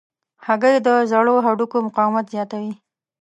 هګۍ د زړو هډوکو مقاومت زیاتوي.